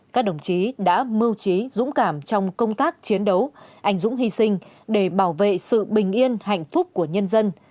các đồng chí đã mưu trí dũng cảm trong công tác chiến đấu anh dũng hy sinh để bảo vệ sự bình yên hạnh phúc của nhân dân